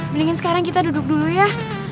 mendingan sekarang kita duduk dulu ya